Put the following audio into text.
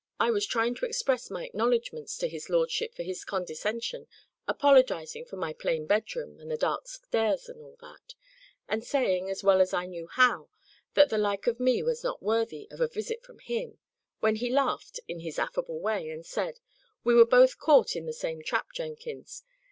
I was trying to express my acknowledgments to his lordship for his condescension, apologizing for my plain bedroom, and the dark stairs, and all that, and saying, as well as I knew how, that the like of me was not worthy of a visit from him, when he laughed, in his affable way, and said, 'We were both caught in the same trap, Jenkins.